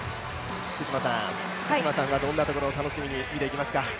福島さんはどんなところを楽しみに見ていきますか。